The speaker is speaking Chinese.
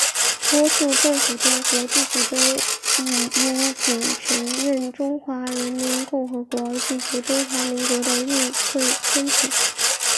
多数政府间国际组织亦因仅承认中华人民共和国而拒绝中华民国的入会申请。